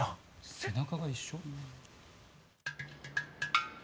背中が一緒？